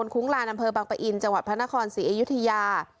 คุ้งลานอำเภอบังปะอินจังหวัดพระนครศรีอยุธยา